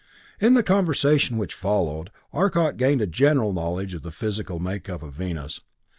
In the conversation which followed, Arcot gained a general knowledge of the physical makeup of Venus.